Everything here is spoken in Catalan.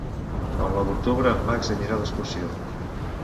El nou d'octubre en Max anirà d'excursió.